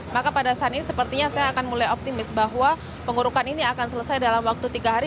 maka pada saat ini sepertinya saya akan mulai optimis bahwa pengurukan ini akan selesai dalam waktu tiga hari